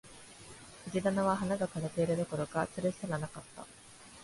藤棚は花が枯れているどころか、蔓すらなかった